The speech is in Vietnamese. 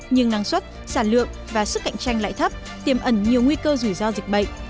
nhưng năng suất sản lượng và sức cạnh tranh lại thấp tiềm ẩn nhiều nguy cơ rủi ro dịch bệnh